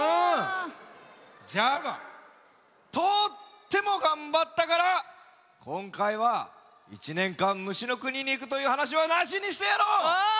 じゃがとってもがんばったからこんかいは１ねんかん虫のくににいくというはなしはなしにしてやろう！